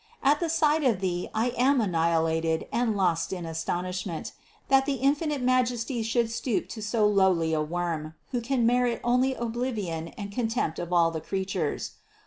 At the sight of Thee I am annihilated and lost in astonishment, that the infinite Majesty should stoop to so lowly a worm, who can merit only oblivion and con tempt of all the creatures.